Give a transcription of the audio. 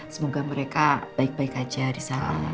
semoga mereka baik baik aja disana